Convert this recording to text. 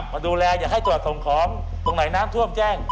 มาดูแลอย่าให้ตรวจส่งของตรงไหนน้ำท่วมแจ้ง